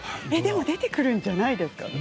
でも出てくるんじゃないですか。